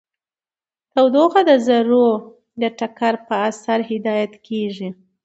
تودوخه د ذرو د ټکر په اثر هدایت کیږي.